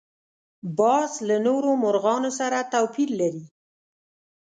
باز له نورو مرغانو سره توپیر لري